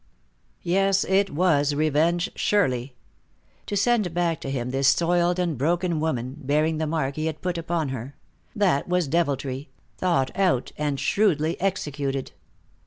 Yes, it was revenge, surely. To send back to him this soiled and broken woman, bearing the mark he had put upon her that was deviltry, thought out and shrewdly executed.